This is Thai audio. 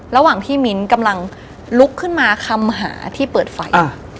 ระหว่างที่มิ้นกำลังลุกขึ้นมาคำหาที่เปิดไฟ